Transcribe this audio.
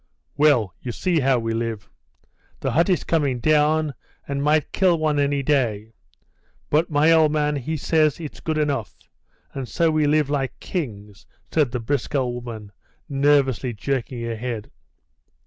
"Well, you see how we live. The hut is coming down, and might kill one any day; but my old man he says it's good enough, and so we live like kings," said the brisk old woman, nervously jerking her head.